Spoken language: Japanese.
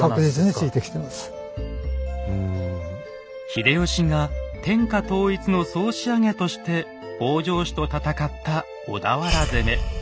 秀吉が天下統一の総仕上げとして北条氏と戦った「小田原攻め」。